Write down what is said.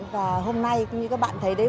và hôm nay cũng như các bạn thấy đấy